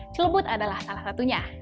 celebut adalah salah satunya